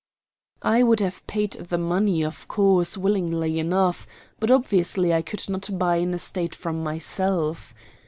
I would have paid the money, of course, willingly enough; but obviously I could not buy an estate from myself.